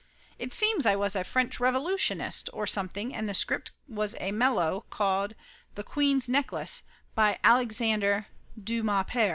It seems I was a French Revolutionist or something and the script was a melo called The Queen's Necklace, By Alexander du Mas Pear.